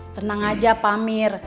tenang aja pamir